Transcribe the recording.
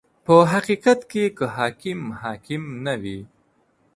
• په حقیقت کې که حاکم حاکم نه وي.